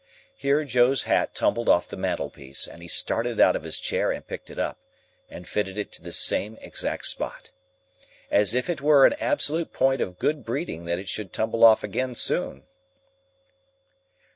Here Joe's hat tumbled off the mantel piece, and he started out of his chair and picked it up, and fitted it to the same exact spot. As if it were an absolute point of good breeding that it should tumble off again soon.